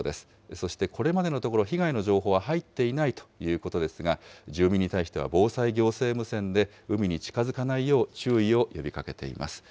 そしてこれまでのところ、被害の情報は入っていないということですが、住民に対しては、防災行政無線で海に近づかないよう注意を呼びかけています。